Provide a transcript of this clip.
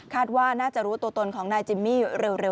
ว่าน่าจะรู้ตัวตนของนายจิมมี่เร็ว